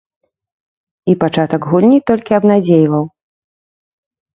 І пачатак гульні толькі абнадзейваў.